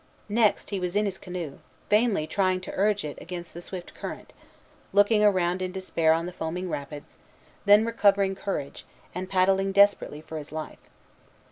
Next he was in his canoe, vainly trying to urge it against the swift current, looking around in despair on the foaming rapids, then recovering courage, and paddling desperately for his life.